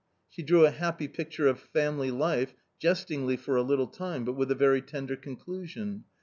She drew a happy picture of family life, jestingly for a little time, but with a very tender conclusion.